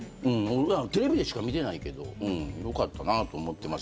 テレビでしか見てないけど良かったなと思っています。